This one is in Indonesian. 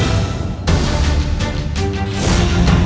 aku akan pergi ke istana yang lain